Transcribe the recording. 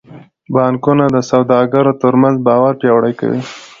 بانکونه د سوداګرو ترمنځ باور پیاوړی کوي.